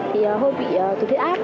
thì hơi bị từ thế áp